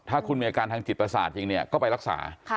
ถ้าคุณมีอาการทางจิตประสาทจริงเนี่ยก็ไปรักษา